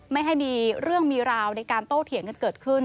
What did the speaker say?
ไม่ให้มีเรื่องมีราวในการโต้เถียงกันเกิดขึ้น